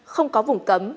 không có vùng cấm